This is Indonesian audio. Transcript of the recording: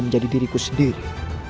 menjadi diriku sendiri